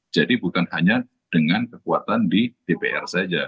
jadi bukan hanya dengan kekuatan di dpr saja